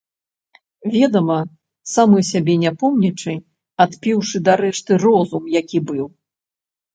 Ведама, самы сябе не помнячы, адпіўшы дарэшты розум, які быў.